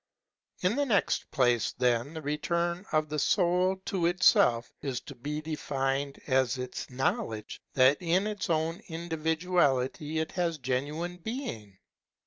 In the next place then, the return of the soul to itself is to be defined as its knowledge that in its own individuality it has genuine being.